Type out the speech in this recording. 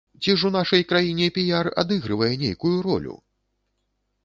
Ці ж у нашай краіне піяр адыгрывае нейкую ролю?!